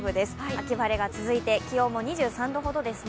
秋晴れが続いて気温も２３度ほどです。